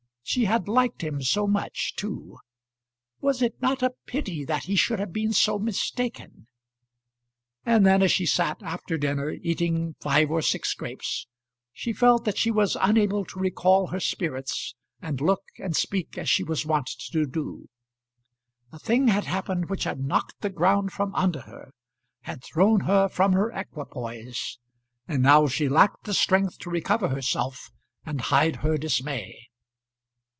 She had liked him so much too! Was it not a pity that he should have been so mistaken! And then as she sat after dinner, eating five or six grapes, she felt that she was unable to recall her spirits and look and speak as she was wont to do: a thing had happened which had knocked the ground from under her had thrown her from her equipoise, and now she lacked the strength to recover herself and hide her dismay.